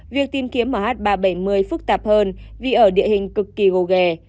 việc tìm kiếm mh ba trăm bảy mươi phức tạp hơn vì ở địa hình cực kỳ gồ ghề